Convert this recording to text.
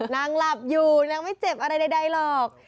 นางหลับอยู่นางไม่เจ็บอะไรใดหรอก